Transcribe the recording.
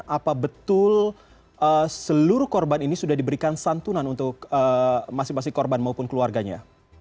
apa betul seluruh korban ini sudah diberikan santunan untuk masing masing korban maupun keluarganya